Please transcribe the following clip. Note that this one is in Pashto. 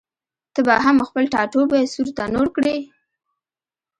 ته به هم خپل ټاټوبی سور تنور کړې؟